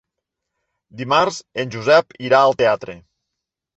Dimarts en Josep irà al teatre.